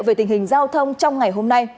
về tình hình giao thông trong ngày hôm nay